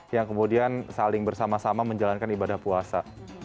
yang kemudian saling bersama sama menjalankan ibadah puasa